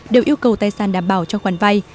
đều yêu cầu tài sản đảm bảo cho khoản vay